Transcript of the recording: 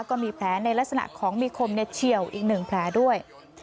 ก็มีแผลในลักษณะของมีคมเนี้ยเชี่ยวอีกหนึ่งแผลด้วย